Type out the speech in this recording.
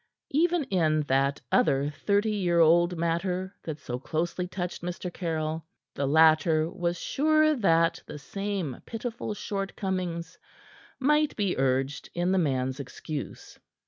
Even in that other thirty year old matter that so closely touched Mr. Caryll, the latter was sure that the same pitiful shortcomings might be urged in the man's excuse.